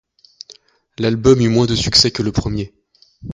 L'album eut moins de succès que le premier.